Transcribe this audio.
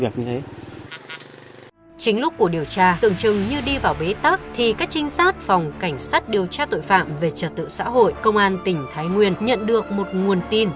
trong lúc cuộc điều tra tưởng chừng như đi vào bế tắc thì các trinh sát phòng cảnh sát điều tra tội phạm về trật tự xã hội công an tỉnh thái nguyên nhận được một nguồn tin